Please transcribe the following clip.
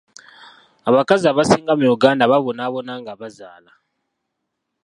Abakazi abasinga mu Uganda babonaabona nga bazaala.